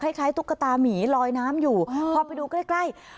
คล้ายตุ๊กตามีลอยน้ำอยู่พอไปดูใกล้ใกล้